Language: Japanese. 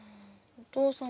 お父さん